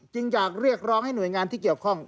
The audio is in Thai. อยากเรียกร้องให้หน่วยงานที่เกี่ยวข้อง